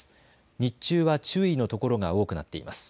日中は注意の所が多くなっています。